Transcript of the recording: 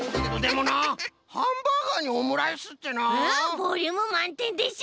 ボリュームまんてんでしょ！